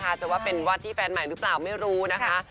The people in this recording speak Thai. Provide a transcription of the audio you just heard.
จะว่าเป็นวัดที่แฟนใหม่หรือเปล่าไม่รู้นะคะ